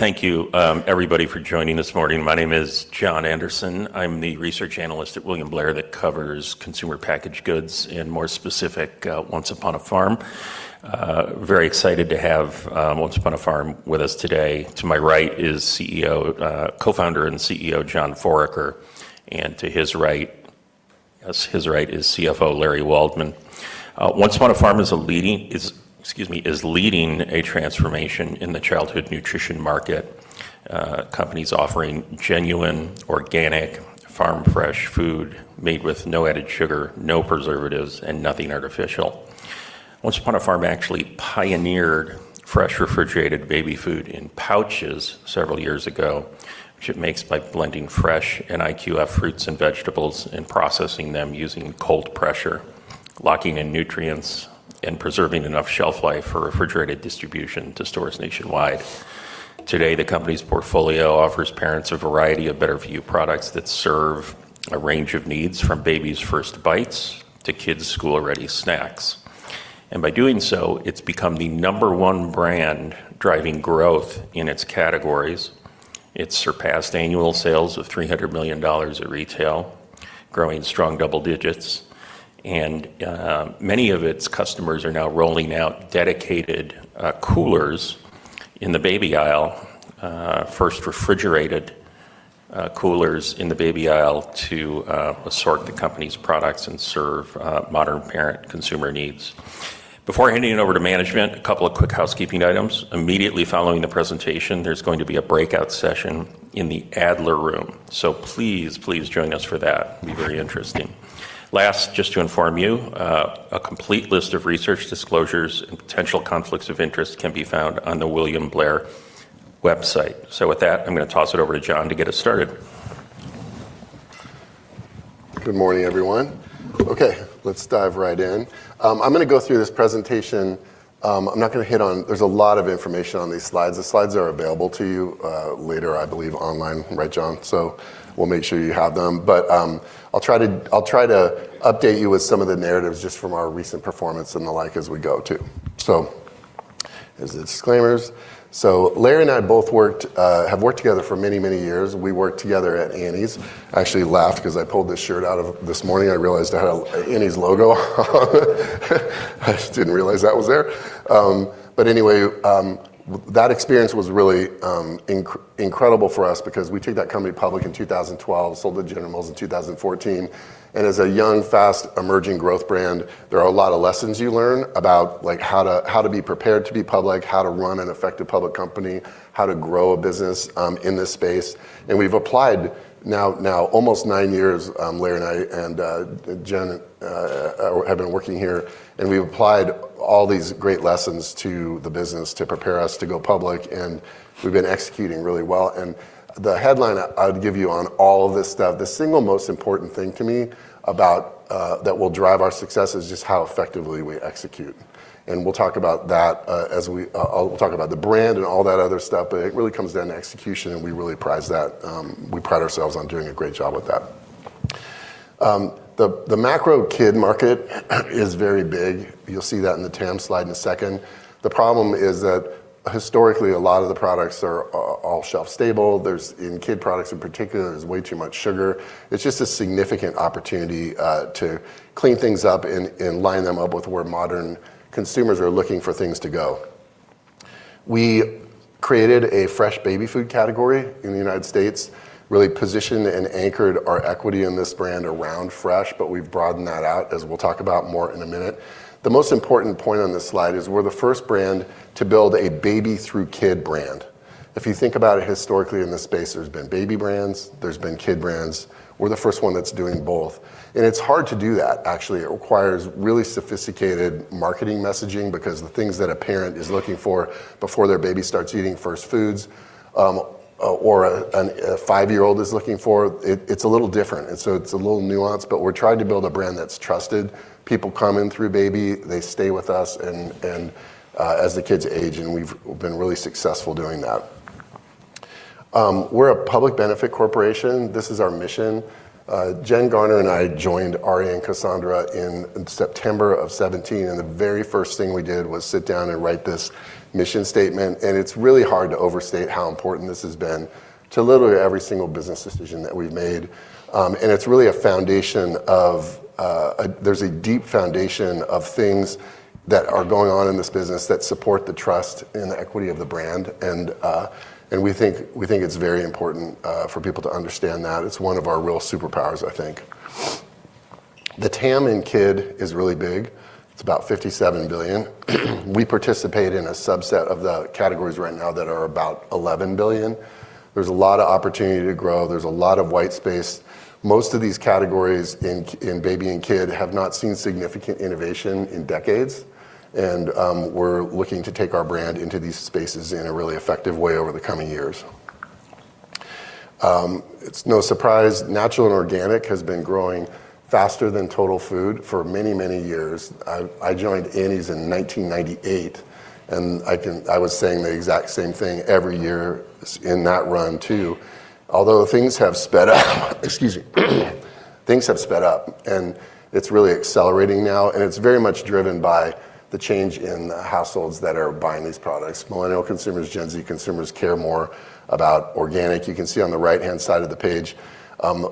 Thank you, everybody, for joining this morning. My name is Jon Andersen. I'm the Research Analyst at William Blair that covers consumer packaged goods and more specifically, Once Upon a Farm. Very excited to have Once Upon a Farm with us today. To my right is Co-Founder and CEO, John Foraker, and to his right is CFO Larry Waldman. Once Upon a Farm is leading a transformation in the childhood nutrition market. Companies offering genuine organic farm fresh food made with no added sugar, no preservatives, and nothing artificial. Once Upon a Farm actually pioneered fresh refrigerated baby food in pouches several years ago, which it makes by blending fresh IQF fruits and vegetables and processing them using cold pressure, locking in nutrients, and preserving enough shelf life for refrigerated distribution to stores nationwide. Today, the company's portfolio offers parents a variety of better-for-you products that serve a range of needs, from baby's first bites to kids' school-ready snacks. By doing so, it's become the number one brand driving growth in its categories. It's surpassed annual sales of $300 million at retail, growing strong double digits. Many of its customers are now rolling out dedicated Coolers in the baby aisle. First refrigerated Coolers in the baby aisle to assort the company's products and serve modern parent consumer needs. Before handing it over to management, a couple of quick housekeeping items. Immediately following the presentation, there's going to be a breakout session in the Adler Room. Please join us for that. It'll be very interesting. Last, just to inform you, a complete list of research disclosures and potential conflicts of interest can be found on the William Blair website. With that, I'm going to toss it over to John to get us started. Good morning, everyone. Okay, let's dive right in. I'm going to go through this presentation. There's a lot of information on these slides. The slides are available to you later, I believe online. Right, Jon? We'll make sure you have them. I'll try to update you with some of the narratives just from our recent performance and the like as we go too. There's the disclaimers. Larry and I both have worked together for many, many years. We worked together at Annie's. I actually laughed because I pulled this shirt out this morning, I realized it had an Annie's logo on it. I just didn't realize that was there. Anyway, that experience was really incredible for us because we took that company public in 2012, sold to General Mills in 2014. As a young, fast, emerging growth brand, there are a lot of lessons you learn about how to be prepared to be public, how to run an effective public company, how to grow a business in this space. We've applied now almost nine years, Larry and I and Jen have been working here, and we've applied all these great lessons to the business to prepare us to go public, and we've been executing really well. The headline I would give you on all of this stuff, the single most important thing to me that will drive our success is just how effectively we execute. We'll talk about that. I'll talk about the brand and all that other stuff, but it really comes down to execution, and we really prize that. We pride ourselves on doing a great job with that. The macro kid market is very big. You'll see that in the TAM slide in a second. The problem is that historically, a lot of the products are all shelf stable. In kid products in particular, there's way too much sugar. It's just a significant opportunity to clean things up and line them up with where modern consumers are looking for things to go. We created a fresh baby food category in the United States. Really positioned and anchored our equity in this brand around fresh, but we've broadened that out, as we'll talk about more in a minute. The most important point on this slide is we're the first brand to build a baby through kid brand. If you think about it historically in this space, there's been baby brands, there's been kid brands. We're the first one that's doing both. It's hard to do that, actually. It requires really sophisticated marketing messaging because the things that a parent is looking for before their baby starts eating first foods or a five-year-old is looking for, it's a little different. So it's a little nuanced, but we're trying to build a brand that's trusted. People come in through baby, they stay with us, and as the kids age, and we've been really successful doing that. We're a public benefit corporation. This is our mission. Jen Garner and I joined Ari and Cassandra in September of 2017, and the very first thing we did was sit down and write this mission statement. It's really hard to overstate how important this has been to literally every single business decision that we've made. There's a deep foundation of things that are going on in this business that support the trust and the equity of the brand, and we think it's very important for people to understand that. It's one of our real superpowers, I think. The TAM in kid is really big. It's about $57 billion. We participate in a subset of the categories right now that are about $11 billion. There's a lot of opportunity to grow. There's a lot of white space. Most of these categories in Baby and Kid have not seen significant innovation in decades, and we're looking to take our brand into these spaces in a really effective way over the coming years. It's no surprise natural and organic has been growing faster than total food for many, many years. I joined Annie's in 1998, and I was saying the exact same thing every year in that run, too. Although things have sped up. Excuse me. Things have sped up and it's really accelerating now, and it's very much driven by the change in households that are buying these products. Millennial consumers, Gen Z consumers care more about organic. You can see on the right-hand side of the page,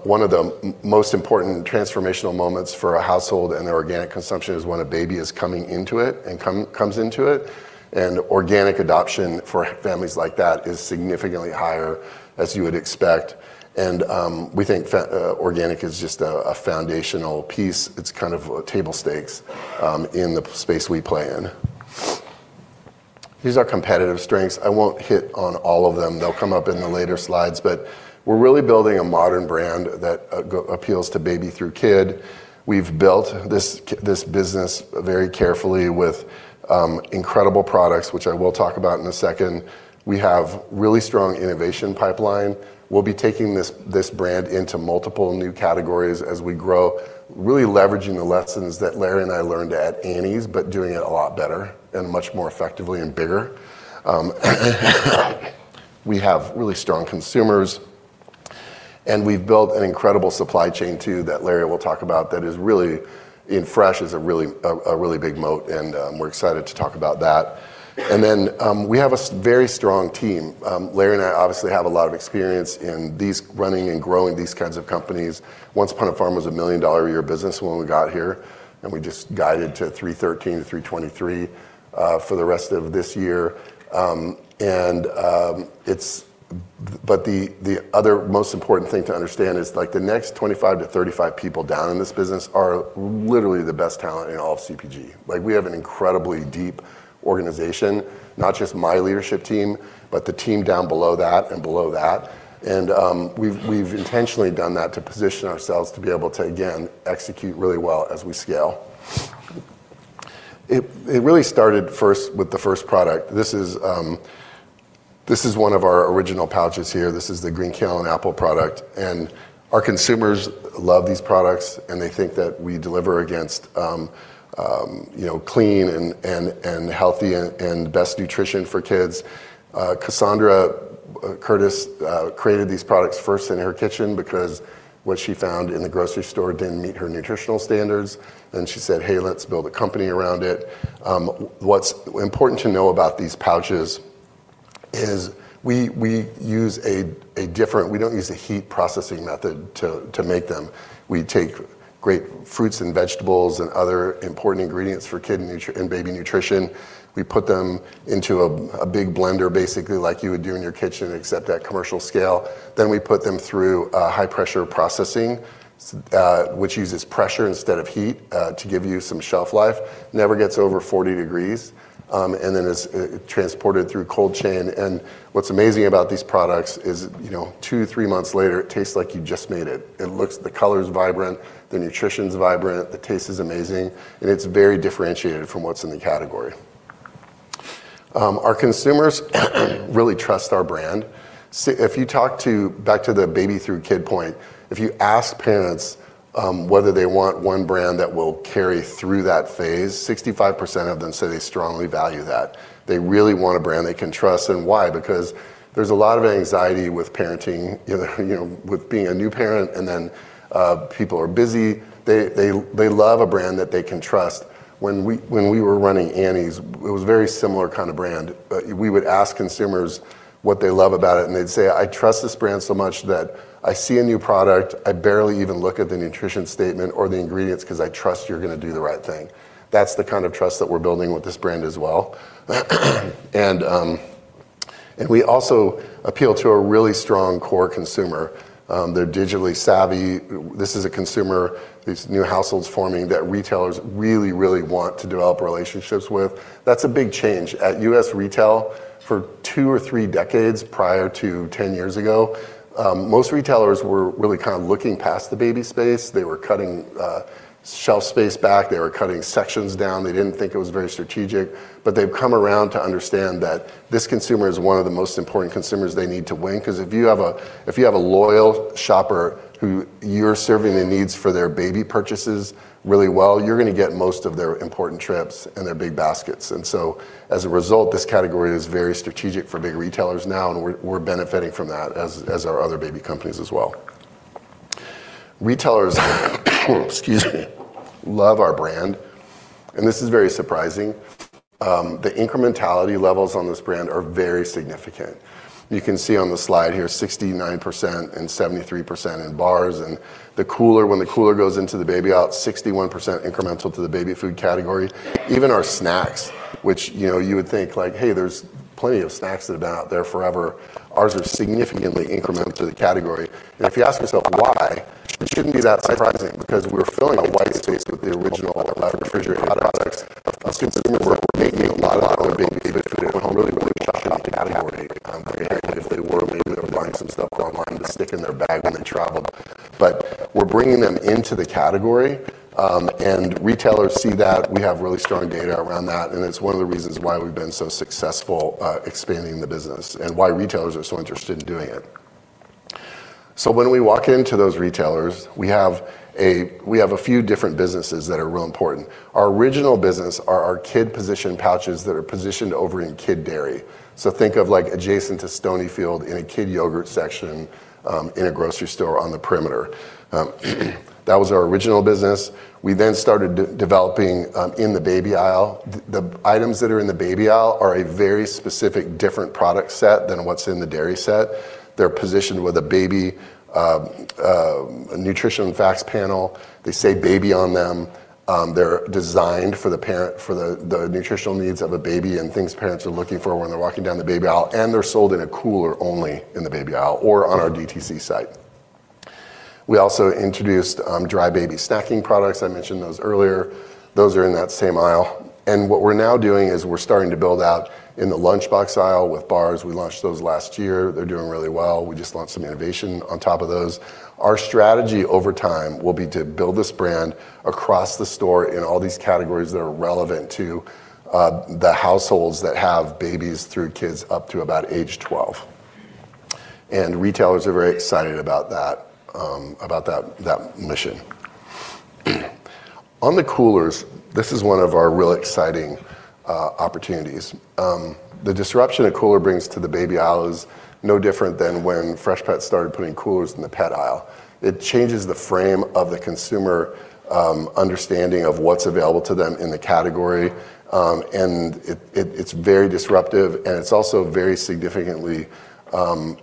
one of the most important transformational moments for a household and their organic consumption is when a Baby is coming into it and comes into it. Organic adoption for families like that is significantly higher as you would expect. We think organic is just a foundational piece. It's kind of table stakes in the space we play in. These are competitive strengths. I won't hit on all of them. They'll come up in the later slides. We're really building a modern brand that appeals to Baby through Kid. We've built this business very carefully with incredible products, which I will talk about in a second. We have really strong innovation pipeline. We'll be taking this brand into multiple new categories as we grow, really leveraging the lessons that Larry and I learned at Annie's, but doing it a lot better and much more effectively and bigger. We have really strong consumers, and we've built an incredible supply chain too, that Larry will talk about, that is really in fresh, is a really big moat and we're excited to talk about that. We have a very strong team. Larry and I obviously have a lot of experience in running and growing these kinds of companies. Once Upon a Farm was $1 million a year business when we got here. We just guided to $313 million-$323 million for the rest of this year. The other most important thing to understand is the next 25-35 people down in this business are literally the best talent in all of CPG. We have an incredibly deep organization, not just my leadership team, but the team down below that and below that. We've intentionally done that to position ourselves to be able to, again, execute really well as we scale. It really started first with the first product. This is one of our original Pouches here. This is the green kale and apple product. Our consumers love these products, and they think that we deliver against clean and healthy and best nutrition for kids. Cassandra Curtis created these products first in her kitchen because what she found in the grocery store didn't meet her nutritional standards, and she said, "Hey, let's build a company around it." What's important to know about these Pouches is we don't use a heat processing method to make them. We take great fruits and vegetables and other important ingredients for kid and baby nutrition. We put them into a big blender, basically like you would do in your kitchen, except at commercial scale. We put them through high-pressure processing, which uses pressure instead of heat, to give you some shelf life. Never gets over 40 degrees, and then it's transported through cold chain. What's amazing about these products is, two, three months later, it tastes like you just made it. The color's vibrant, the nutrition's vibrant, the taste is amazing, and it's very differentiated from what's in the category. Our consumers really trust our brand. Back to the baby through kid point, if you ask parents whether they want one brand that will carry through that phase, 65% of them say they strongly value that. They really want a brand they can trust. Why? Because there's a lot of anxiety with parenting, with being a new parent, people are busy. They love a brand that they can trust. When we were running Annie's, it was a very similar kind of brand. We would ask consumers what they love about it, they'd say, "I trust this brand so much that I see a new product, I barely even look at the nutrition statement or the ingredients because I trust you're going to do the right thing." That's the kind of trust that we're building with this brand as well. We also appeal to a really strong core consumer. They're digitally savvy. This is a consumer, these new households forming, that retailers really, really want to develop relationships with. That's a big change. At U.S. retail, for two or three decades prior to 10 years ago, most retailers were really kind of looking past the Baby space. They were cutting shelf space back. They were cutting sections down. They didn't think it was very strategic. They've come around to understand that this consumer is one of the most important consumers they need to win because if you have a loyal shopper who you're serving the needs for their baby purchases really well, you're going to get most of their important trips and their big baskets. as a result, this category is very strategic for big retailers now, and we're benefiting from that as our other baby companies as well. Retailers excuse me, love our brand, and this is very surprising. The incrementality levels on this brand are very significant. You can see on the slide here, 69% and 73% in bars. When the Cooler goes into the baby aisle, 61% incremental to the baby food category. Even our Snacks, which you would think like, "Hey, there's plenty of snacks that have been out there forever." Ours are significantly incremental to the category. If you ask yourself why, it shouldn't be that surprising because we're filling a white space with the original refrigerated products. Consumers were making a lot of their baby food at home, really weren't shopping the category very much. If they were, maybe they were buying some stuff online to stick in their bag when they traveled. We're bringing them into the category, and retailers see that. We have really strong data around that, and it's one of the reasons why we've been so successful expanding the business and why retailers are so interested in doing it. When we walk into those retailers, we have a few different businesses that are real important. Our original business are our kid position pouches that are positioned over in kid dairy. Think of like adjacent to Stonyfield in a kid yogurt section in a grocery store on the perimeter. That was our original business. We started developing in the baby aisle. The items that are in the baby aisle are a very specific different product set than what's in the dairy set. They're positioned with a baby nutrition facts panel. They say "baby" on them. They're designed for the nutritional needs of a baby and things parents are looking for when they're walking down the baby aisle, and they're sold in a Cooler only in the baby aisle or on our DTC site. We also introduced dry Baby Snacking products. I mentioned those earlier. Those are in that same aisle. What we're now doing is we're starting to build out in the lunchbox aisle with bars. We launched those last year. They're doing really well. We just launched some innovation on top of those. Our strategy over time will be to build this brand across the store in all these categories that are relevant to the households that have babies through kids up to about age 12. Retailers are very excited about that mission. On the Coolers, this is one of our real exciting opportunities. The disruption a Cooler brings to the baby aisle is no different than when Freshpet started putting Coolers in the pet aisle. It changes the frame of the consumer understanding of what's available to them in the category. It's very disruptive and it's also very significantly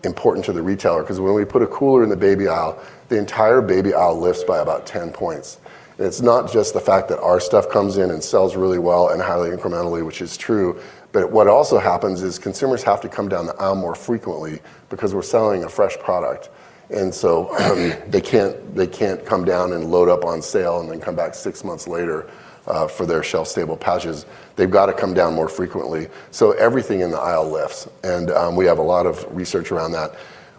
important to the retailer because when we put a Cooler in the baby aisle, the entire baby aisle lifts by about 10 points. It's not just the fact that our stuff comes in and sells really well and highly incrementally, which is true, but what also happens is consumers have to come down the aisle more frequently because we're selling a fresh product. They can't come down and load up on sale and then come back six months later for their shelf stable pouches. They've got to come down more frequently. Everything in the aisle lifts, and we have a lot of research around that.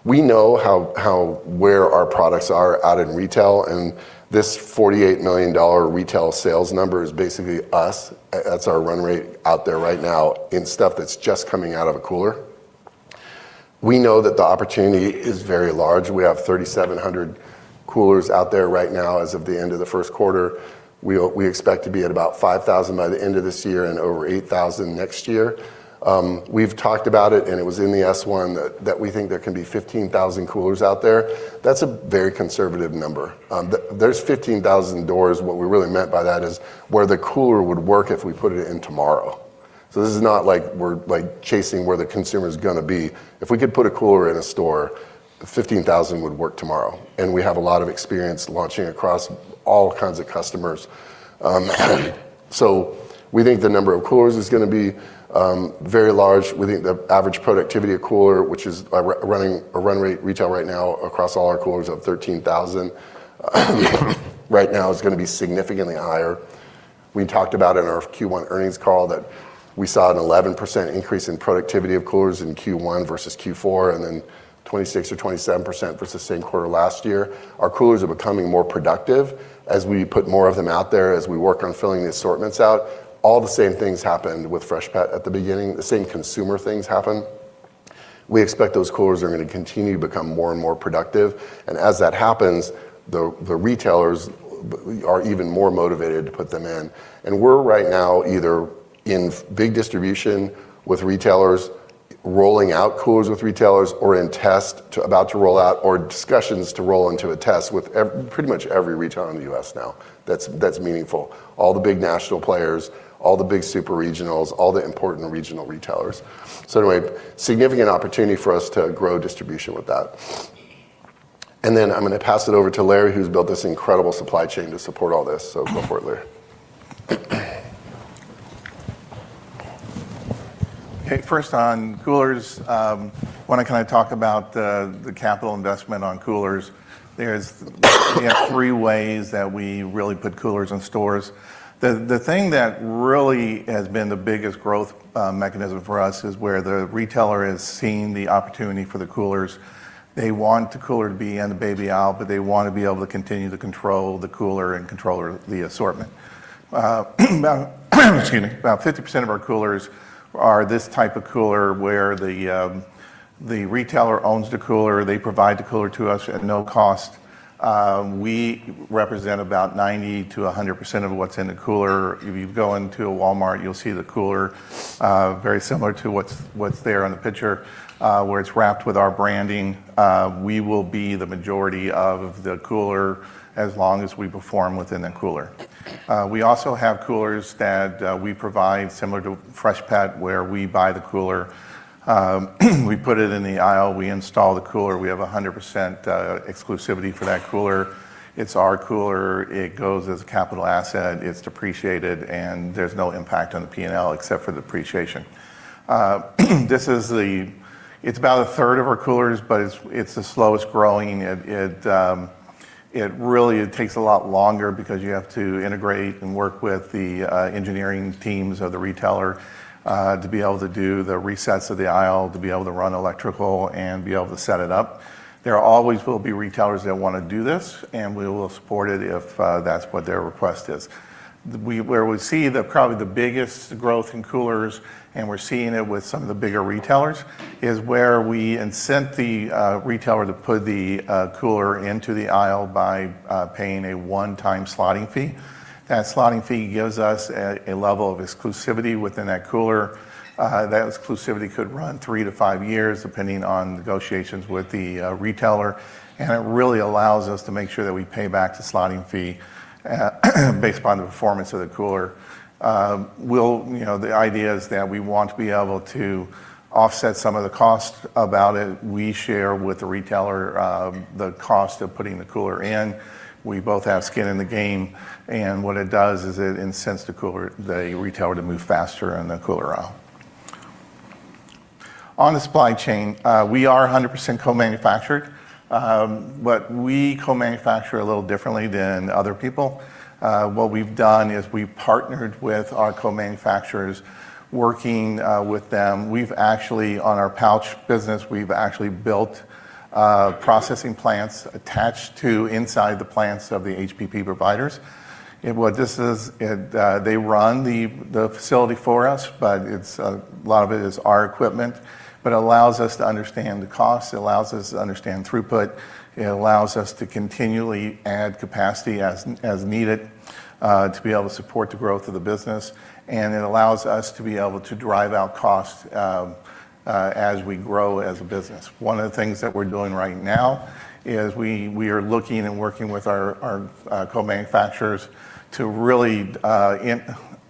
We know where our products are out in retail, and this $48 million retail sales number is basically us. That's our run rate out there right now in stuff that's just coming out of a Cooler. We know that the opportunity is very large. We have 3,700 Coolers out there right now as of the end of the first quarter. We expect to be at about 5,000 by the end of this year and over 8,000 next year. We've talked about it, and it was in the S-1, that we think there can be 15,000 Coolers out there. That's a very conservative number. There's 15,000 doors. What we really meant by that is where the Cooler would work if we put it in tomorrow. This is not like we're chasing where the consumer's going to be. If we could put a Cooler in a store, 15,000 would work tomorrow. We have a lot of experience launching across all kinds of customers. We think the number of Coolers is going to be very large. We think the average productivity of Cooler, which is a run rate retail right now across all our Coolers of 13,000 right now is going to be significantly higher. We talked about in our Q1 earnings call that we saw an 11% increase in productivity of Coolers in Q1 versus Q4, and then 26% or 27% versus same quarter last year. Our Coolers are becoming more productive as we put more of them out there, as we work on filling the assortments out. All the same things happened with Freshpet at the beginning. The same consumer things happened. We expect those Coolers are going to continue to become more and more productive, and as that happens, the retailers are even more motivated to put them in. We're right now either in big distribution with retailers, rolling out Coolers with retailers, or in test about to roll out or discussions to roll into a test with pretty much every retailer in the U.S. now that's meaningful. All the big national players, all the big super regionals, all the important regional retailers. Anyway, significant opportunity for us to grow distribution with that. I'm going to pass it over to Larry, who's built this incredible supply chain to support all this. Go for it, Larry. Okay. First on Coolers, want to kind of talk about the capital investment on Coolers. There's three ways that we really put Coolers in stores. The thing that really has been the biggest growth mechanism for us is where the retailer is seeing the opportunity for the Coolers. They want the Cooler to be in the Baby aisle, but they want to be able to continue to control the Cooler and control the assortment. Excuse me. About 50% of our Coolers are this type of Cooler where the retailer owns the Cooler. They provide the Cooler to us at no cost. We represent about 90 to 100% of what's in the Cooler. If you go into a Walmart, you'll see the Cooler, very similar to what's there on the picture, where it's wrapped with our branding. We will be the majority of the Cooler as long as we perform within the Cooler. We also have Coolers that we provide similar to Freshpet, where we buy the Cooler. We put it in the aisle. We install the Cooler. We have 100% exclusivity for that Cooler. It's our Cooler. It goes as a capital asset. It's depreciated, and there's no impact on the P&L except for depreciation. It's about a third of our Coolers, but it's the slowest growing. It really takes a lot longer because you have to integrate and work with the engineering teams of the retailer to be able to do the resets of the aisle, to be able to run electrical and be able to set it up. There always will be retailers that want to do this, and we will support it if that's what their request is. Where we see probably the biggest growth in Coolers, and we're seeing it with some of the bigger retailers, is where we incent the retailer to put the Cooler into the aisle by paying a one-time slotting fee. That slotting fee gives us a level of exclusivity within that Cooler. That exclusivity could run three to five years, depending on negotiations with the retailer. It really allows us to make sure that we pay back the slotting fee based upon the performance of the Cooler. The idea is that we want to be able to offset some of the cost about it. We share with the retailer the cost of putting the Cooler in. We both have skin in the game, and what it does is it incents the retailer to move faster on the Cooler aisle. On the supply chain, we are 100% co-manufactured, but we co-manufacture a little differently than other people. What we've done is we've partnered with our co-manufacturers, working with them. On our Pouch business, we've actually built processing plants attached to inside the plants of the HPP providers. They run the facility for us, but a lot of it is our equipment. It allows us to understand the costs, it allows us to understand throughput, it allows us to continually add capacity as needed to be able to support the growth of the business. It allows us to be able to drive out costs as we grow as a business. One of the things that we're doing right now is we are looking and working with our co-manufacturers to really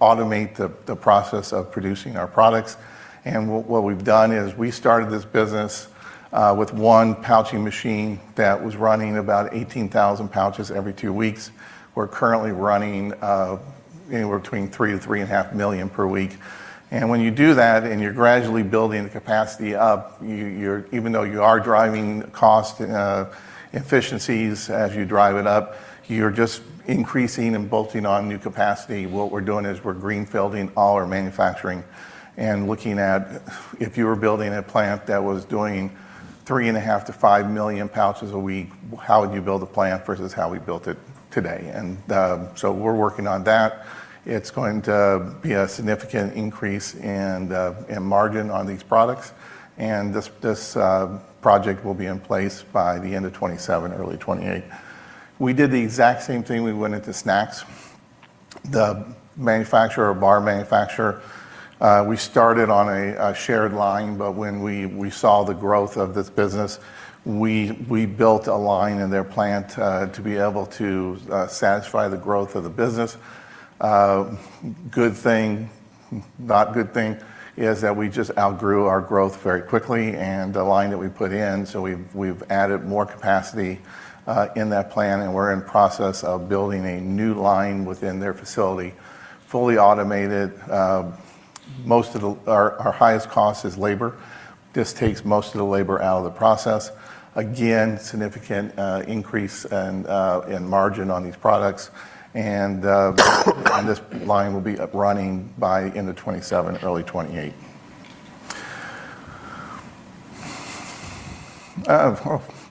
automate the process of producing our products. What we've done is we started this business with one pouching machine that was running about 18,000 pouches every two weeks. We're currently running anywhere between 3 to 3.5 million per week. When you do that and you're gradually building the capacity up, even though you are driving cost efficiencies as you drive it up, you're just increasing and bolting on new capacity. What we're doing is we're green-fielding all our manufacturing and looking at if you were building a plant that was doing 3.5 to 5 million pouches a week, how would you build a plant versus how we built it today? We're working on that. It's going to be a significant increase in margin on these products, and this project will be in place by the end of 2027, early 2028. We did the exact same thing when we went into snacks. The manufacturer, bar manufacturer, we started on a shared line, but when we saw the growth of this business, we built a line in their plant to be able to satisfy the growth of the business. Good thing, not good thing is that we just outgrew our growth very quickly and the line that we put in, so we've added more capacity in that plant and we're in process of building a new line within their facility, fully automated. Our highest cost is labor. This takes most of the labor out of the process. Again, significant increase in margin on these products, and on this line will be up running by end of 2027, early 2028.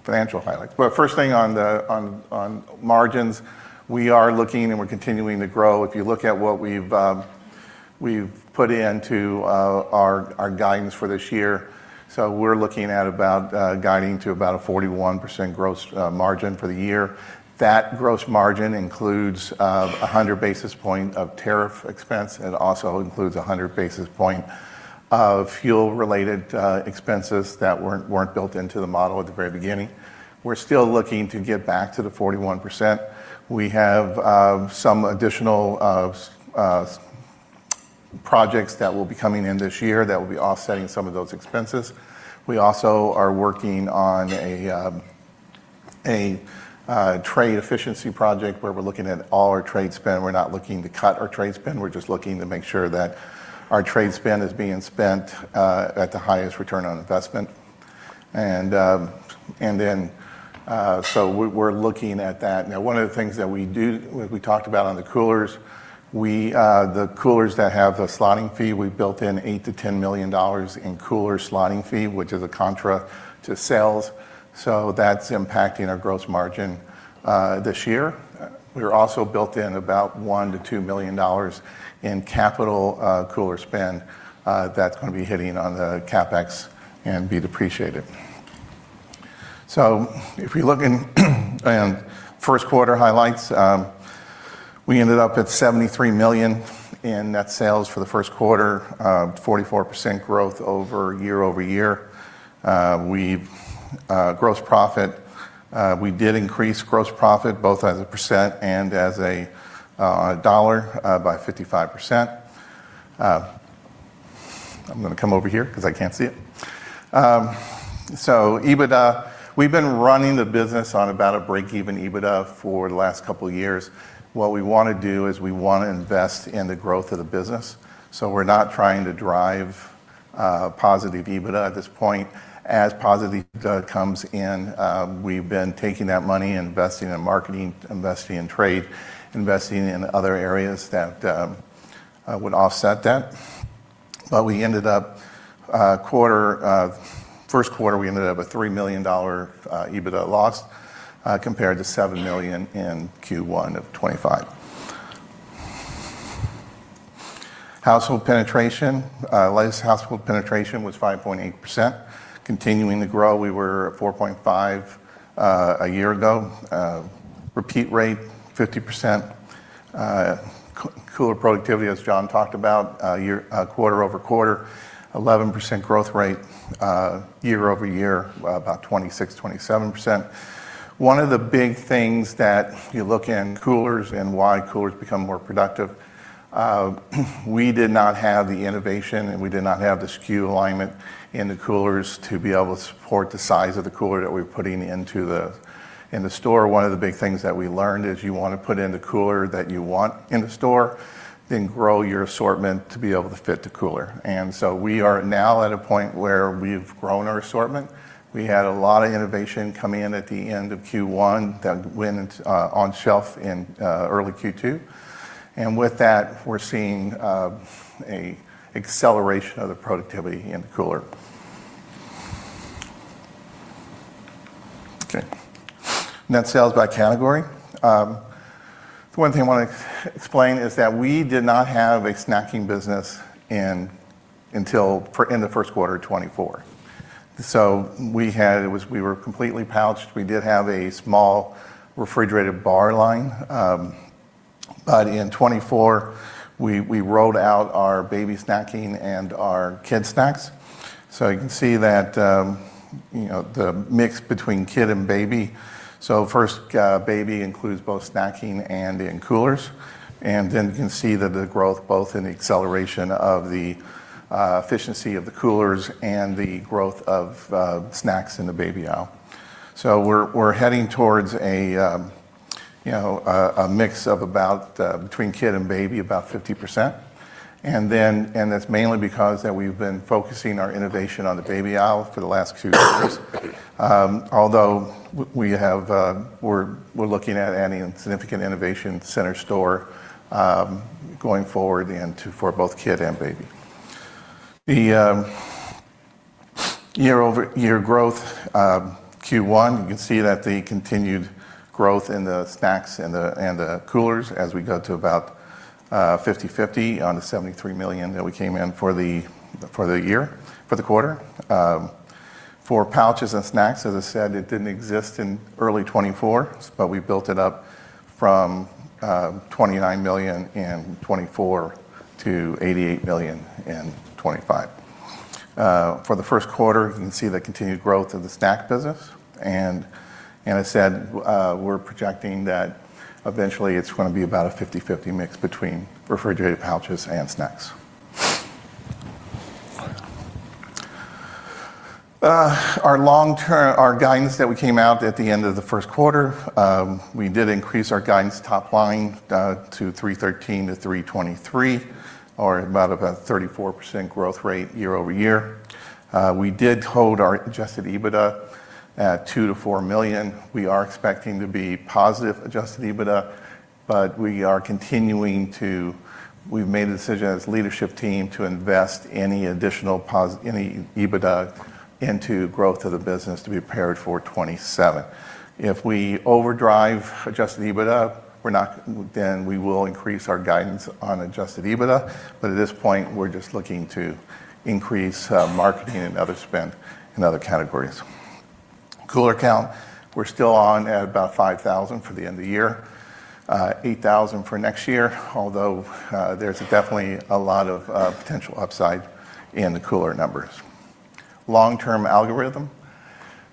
Financial highlights. First thing on margins, we are looking and we're continuing to grow. If you look at what we've put into our guidance for this year, so we're looking at about guiding to about a 41% gross margin for the year. That gross margin includes 100 basis point of tariff expense. It also includes 100 basis point of fuel-related expenses that weren't built into the model at the very beginning. We're still looking to get back to the 41%. We have some additional projects that will be coming in this year that will be offsetting some of those expenses. We also are working on a trade efficiency project where we're looking at all our trade spend. We're not looking to cut our trade spend, we're just looking to make sure that our trade spend is being spent at the highest return on investment. We're looking at that. Now, one of the things that we do, like we talked about on the Coolers, the Coolers that have a slotting fee, we built in $8 million-$10 million in Cooler slotting fee, which is a contra to sales. That's impacting our gross margin this year. We also built in about $1 million-$2 million in capital Cooler spend. That's going to be hitting on the CapEx and be depreciated. If we look in first quarter highlights, we ended up at $73 million in net sales for the first quarter, 44% growth year-over-year. Gross profit, we did increase gross profit both as a percent and as $1 by 55%. I'm going to come over here because I can't see it. EBITDA, we've been running the business on about a break-even EBITDA for the last couple of years. What we want to do is we want to invest in the growth of the business. We're not trying to drive positive EBITDA at this point. As positive EBITDA comes in, we've been taking that money and investing in marketing, investing in trade, investing in other areas that would offset that. We ended up, first quarter, we ended up with $3 million EBITDA loss, compared to $7 million in Q1 of 2025. Household penetration. Latest household penetration was 5.8%, continuing to grow. We were at 4.5% a year ago. Repeat rate, 50%. Cooler productivity, as John talked about, quarter-over-quarter, 11% growth rate. Year-over-year, about 26%, 27%. One of the big things that you look in Coolers and why Coolers become more productive, we did not have the innovation, and we did not have the SKU alignment in the Coolers to be able to support the size of the Cooler that we're putting into the store. One of the big things that we learned is you want to put in the Cooler that you want in the store, then grow your assortment to be able to fit the Cooler. We are now at a point where we've grown our assortment. We had a lot of innovation come in at the end of Q1 that went on shelf in early Q2. With that, we're seeing an acceleration of the productivity in the Cooler. Okay. Net sales by category. The one thing I want to explain is that we did not have a Snacking business in the first quarter of 2024. We were completely pouched. We did have a small refrigerated bar line. In 2024, we rolled out our Baby Snacking and our Kid Snacks. You can see the mix between Kid and Baby. First, baby includes both Snacking and in Coolers. You can see that the growth, both in the acceleration of the efficiency of the Coolers and the growth of Snacks in the baby aisle. We're heading towards a mix between Kid and Baby, about 50%. That's mainly because that we've been focusing our innovation on the baby aisle for the last few years. Although, we're looking at adding in significant innovation center store going forward, and for both Kid and Baby. The year-over-year growth, Q1, you can see that the continued growth in the Snacks and the Coolers as we go to about 50/50 on the $73 million that we came in for the quarter. For Pouches and Snacks, as I said, it didn't exist in early 2024, but we built it up from $29 million in 2024 to $88 million in 2025. For the first quarter, you can see the continued growth of the Snack business. As I said, we're projecting that eventually it's going to be about a 50/50 mix between refrigerated Pouches and Snacks. Our guidance that we came out at the end of the first quarter, we did increase our guidance top line to $313 million-$323 million, or about a 34% growth rate year-over-year. We did hold our adjusted EBITDA at $2 million-$4 million. We are expecting to be positive adjusted EBITDA, but we are continuing to. We've made the decision as a leadership team to invest any additional EBITDA into growth of the business to be prepared for 2027. If we overdrive adjusted EBITDA, then we will increase our guidance on adjusted EBITDA. At this point, we're just looking to increase marketing and other spend in other categories. Cooler count, we're still on at about 5,000 for the end of the year, 8,000 for next year, although there's definitely a lot of potential upside in the Cooler numbers. Long-term algorithm.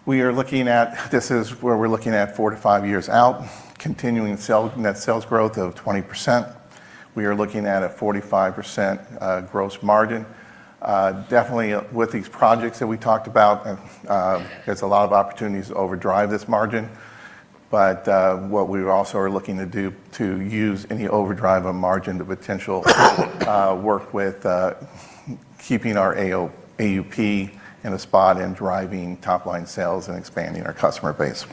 This is where we're looking at four to five years out, continuing net sales growth of 20%. We are looking at a 45% gross margin. Definitely with these projects that we talked about, there's a lot of opportunities to overdrive this margin. What we also are looking to do to use any overdrive on margin to potential work with keeping our AUP in a spot and driving top-line sales and expanding our customer base.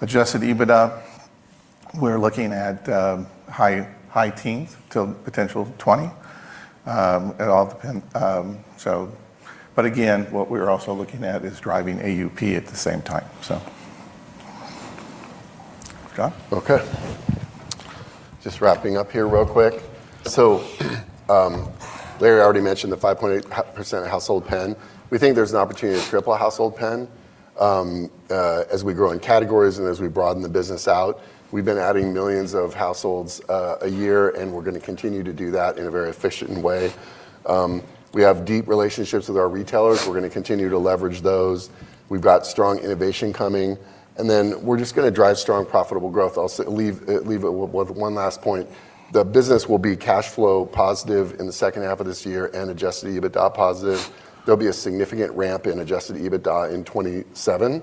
Adjusted EBITDA, we're looking at high-teens to potential 20. It all depends. again, what we're also looking at is driving AUP at the same time, so. John. Okay. Just wrapping up here real quick. Larry already mentioned the 5.8% household pen. We think there's an opportunity to triple household pen as we grow in categories and as we broaden the business out. We've been adding millions of households a year, and we're going to continue to do that in a very efficient way. We have deep relationships with our retailers. We're going to continue to leverage those. We've got strong innovation coming. We're just going to drive strong, profitable growth. I'll leave it with one last point. The business will be cash flow positive in the second half of this year and adjusted EBITDA positive. There'll be a significant ramp in adjusted EBITDA in 2027.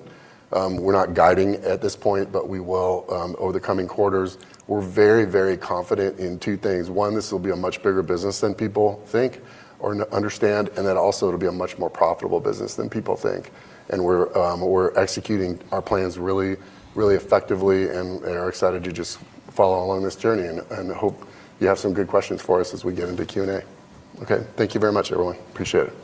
We're not guiding at this point, but we will over the coming quarters. We're very confident in two things. One, this will be a much bigger business than people think or understand, and then also it'll be a much more profitable business than people think. We're executing our plans really effectively and are excited to just follow along this journey and hope you have some good questions for us as we get into Q&A. Okay. Thank you very much, everyone. Appreciate it.